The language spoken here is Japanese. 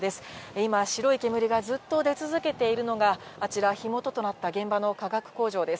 今、白い煙がずっと出続けているのが、あちら、火元となった現場の化学工場です。